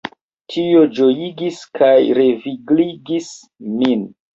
Tio ĝojigis kaj revigligis min!